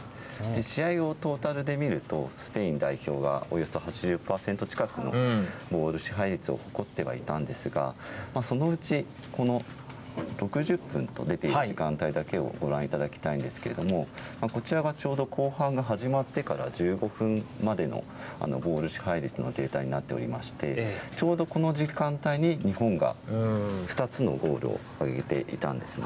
試合をトータルで見ると、スペイン代表はおよそ８０％近くのボール支配率を誇ってはいたんですが、そのうちこの６０分と出ている時間帯だけをご覧いただきたいんですけれども、こちらがちょうど後半が始まってから１５分までのボール支配率のデータになっておりまして、ちょうどこの時間帯に日本が２つのゴールをあげていたんですね。